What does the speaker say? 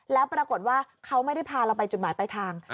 แล้วปรากฏว่าเขาไม่ได้พาเราไปจุดหมายปลายทาง